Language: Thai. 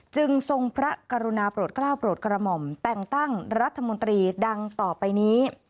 ทรงพระกรุณาโปรดกล้าวโปรดกระหม่อมแต่งตั้งรัฐมนตรีดังต่อไปนี้